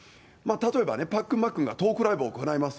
例えばパックンマックンがトークライブを行います。